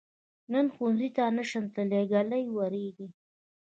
نن ښؤونځي ته نشم تللی، ږلۍ وریږي.